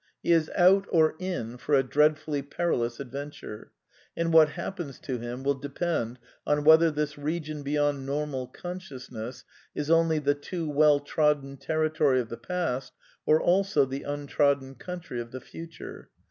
^ He is out or " in '' for a dreadfully perilous adventure ; and what happens to him will depend on whether this region beyond normal consciousness is only the too well trodden territory of the past or also the " untrodden coun try" of the future.